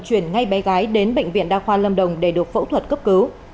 chuyển ngay bé gái đến bệnh viện đa khoa lâm đồng để được phẫu thuật cấp cứu